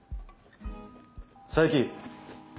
佐伯。